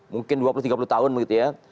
mungkin dua puluh tiga puluh tahun begitu ya